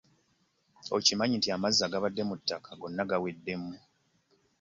Okimanyi nti amazzi agabadde mu ttanka gonna gaweddemu.